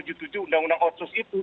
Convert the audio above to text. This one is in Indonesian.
undang undang otsus itu